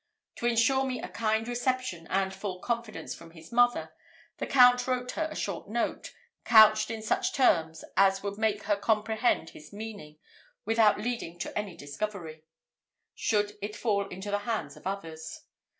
To insure me a kind reception, and full confidence from his mother, the Count wrote her a short note, couched in such terms as would make her comprehend his meaning without leading to any discovery, should it fall into the hands of others.